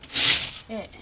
ええ。